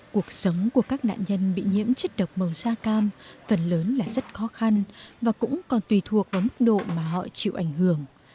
cuộc sống của các nạn nhân bị nhiễm chất độc màu da cam phần lớn là rất khó khăn và cũng còn tùy thuộc vào mức độ mà họ chịu ảnh hưởng